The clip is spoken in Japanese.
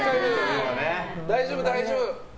大丈夫、大丈夫。